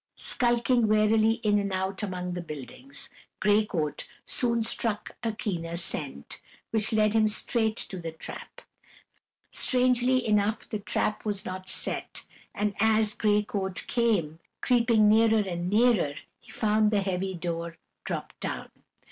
Skulking warily in and out among the buildings, Gray Coat soon struck a keener scent, which led him straight to the trap. Strangely enough, the trap was not set, and as Gray Coat came creeping nearer and nearer, he found the heavy door dropped down.